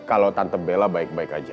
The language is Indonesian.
kalau tante bela baik baik aja